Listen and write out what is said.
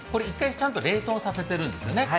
１回ちゃんと冷凍させているんですよね。